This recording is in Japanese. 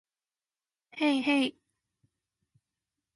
へいへい